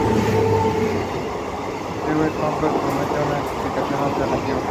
La canción está compuesta en el formato verso-estribillo.